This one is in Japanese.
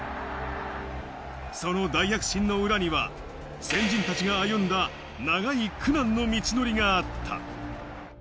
その大躍進の裏には先人たちが歩んだ、長い苦難の道のりがあった。